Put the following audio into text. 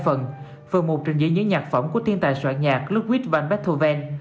phần một trình diễn những nhạc phẩm của tiên tài soạn nhạc ludwig van beethoven